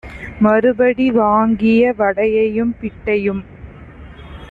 மறுபடி வாங்கிய வடையையும் பிட்டையும்